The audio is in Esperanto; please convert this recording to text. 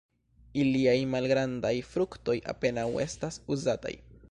Iliaj malgrandaj fruktoj apenaŭ estas uzataj.